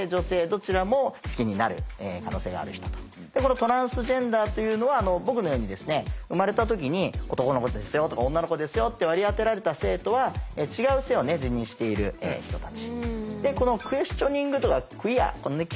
トランスジェンダーというのは僕のようにですね生まれた時に「男の子ですよ」とか「女の子ですよ」って割り当てられた性とは違う性を自認している人たち。